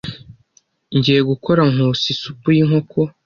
Ngiye gukora Nkusi isupu yinkoko.